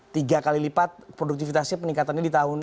tiga kali lipat produktivitasnya peningkatannya di tahun dua ribu